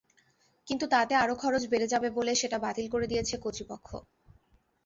কিন্তু তাতে আরও খরচ বেড়ে যাবে বলে সেটা বাতিল করে দিয়েছে কর্তৃপক্ষ।